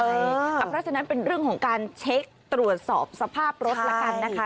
เพราะฉะนั้นเป็นเรื่องของการเช็คตรวจสอบสภาพรถละกันนะคะ